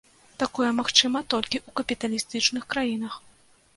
Такое магчыма толькі ў капіталістычных краінах.